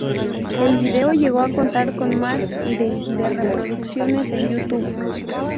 El video llegó a contar con más de de reproducciones en YouTube.